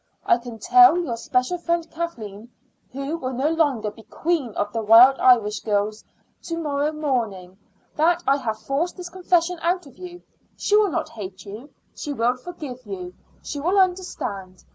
I can tell your special friend Kathleen, who will no longer be queen of the Wild Irish Girls, to morrow morning, that I have forced this confession out of you. She will not hate you; she will forgive you. She will understand.